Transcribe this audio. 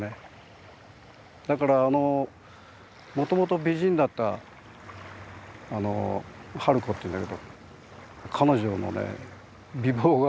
だからもともと美人だったあの春子っていうんだけど彼女のね美貌がね